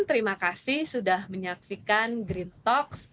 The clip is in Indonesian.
terima kasih sudah menyaksikan green talks